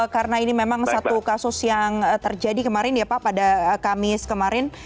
karena ini memang satu kasus yang terjadi kemarin ya pak pada kamis kemarin